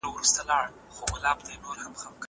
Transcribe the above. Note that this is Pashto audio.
زه به اوږده موده واښه راوړلي وم!